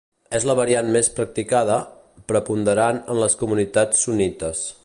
És la variant més practicada, preponderant en les comunitats sunnites.